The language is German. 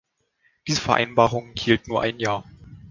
Diese Vereinbarung hielt nur ein Jahr.